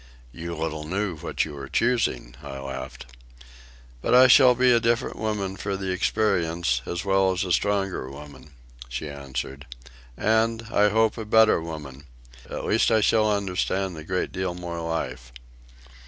"You little knew what you were choosing," I laughed. "But I shall be a different women for the experience, as well as a stronger woman," she answered; "and, I hope a better woman. At least I shall understand a great deal more of life."